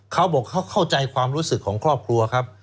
เขาบอกเขาเข้าใจความรู้สึกของครอบครัวครับ